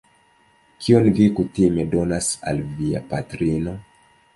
Kion vi kutime donas al via patrino?